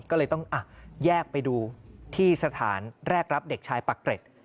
ก็เลยต้องแยกไปดูที่สถานแรกรับเด็กชายปักเกร็ด